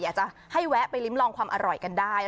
อยากจะให้แวะไปริ้มลองความอร่อยกันได้